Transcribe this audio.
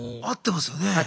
合ってますよね。